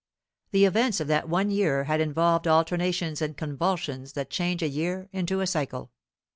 The events of that one year had involved alternations and convulsions that change a year into a cycle.